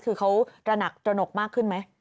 คือเขาตระหนักตระหนกมากขึ้นไหม